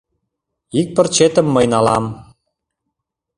Ик пырчетым мый налам.